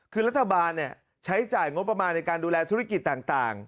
คือรัฐบาลใช้จ่ายงบประมาณในการดูแลธุรกิจต่าง